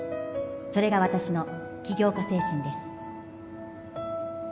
それが私の起業家精神です